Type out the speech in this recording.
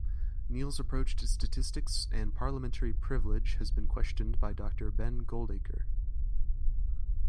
Neill's approach to statistics and parliamentary privilege has been questioned by Doctor Ben Goldacre.